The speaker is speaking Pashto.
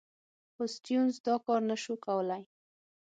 خو سټیونز دا کار نه شو کولای.